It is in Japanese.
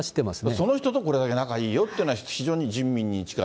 その人とこれだけ仲がいいよっていうのは非常に人民に近い。